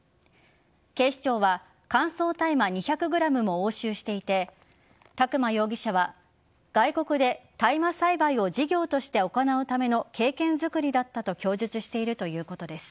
警視庁は乾燥大麻２００ｇも押収していて宅間容疑者は外国で大麻栽培を事業として行うための経験作りだったと供述しているということです。